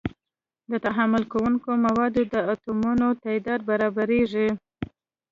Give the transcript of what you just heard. د تعامل کوونکو موادو د اتومونو تعداد برابریږي.